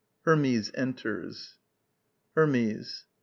HERMES enters. _Hermes.